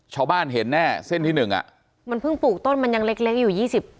ชาวบ้านเห็นแน่เส้นที่หนึ่งอ่ะมันเพิ่งปลูกต้นมันยังเล็กเล็กอยู่ยี่สิบ